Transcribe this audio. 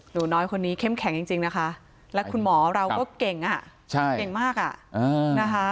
หนูน้อยคนนี้เข้มแข็งจริงนะคะและคุณหมอเราก็เก่งอ่ะเก่งมากอ่ะนะคะ